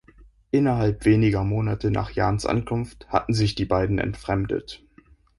Innerhalb weniger Monate nach Jahns Ankunft hatten sich die beiden entfremdet.